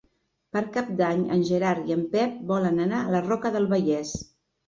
Per Cap d'Any en Gerard i en Pep volen anar a la Roca del Vallès.